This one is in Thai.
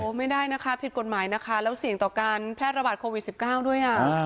ไม่ได้นะคะผิดกฎหมายนะคะแล้วเสี่ยงต่อการแพร่ระบาดโควิด๑๙ด้วยอ่ะ